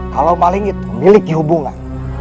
halo maling itu memiliki hubungan